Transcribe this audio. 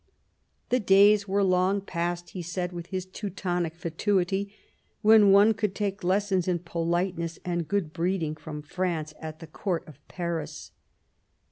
" The days were long past," he said with his Teutonic fatuity, " when one could take lessons in politeness and good breeding from France and at the Court of Paris."